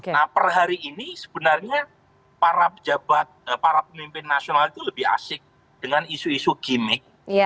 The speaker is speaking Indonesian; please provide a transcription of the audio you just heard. nah per hari ini sebenarnya para pejabat para pemimpin nasional itu lebih asik dengan isu isu gimmick